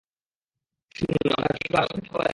শুনুন, আমরা কি একটু আড়ালে থাকতে পারি?